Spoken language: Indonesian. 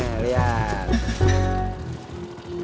masa sini masih cukup